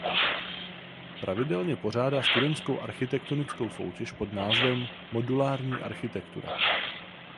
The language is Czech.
Pravidelně pořádá studentskou architektonickou soutěž pod názvem „Modulární architektura“.